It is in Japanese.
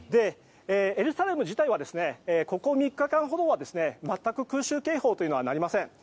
エルサレム自体はここ３日間ほどは全く空襲警報は鳴りません。